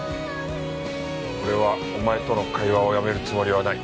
俺はお前との会話をやめるつもりはない。